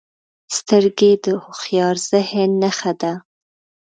سترګې د هوښیار ذهن نښه ده